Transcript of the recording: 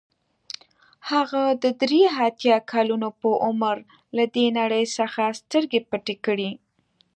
هغه د درې اتیا کلونو په عمر له دې نړۍ څخه سترګې پټې کړې.